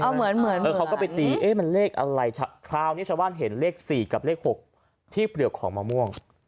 เหมือนเขาก็ไปตีเอ๊ะมันเลขอะไรคราวนี้ชาวบ้านเห็นเลข๔กับเลข๖ที่เปลือกของมะม่วง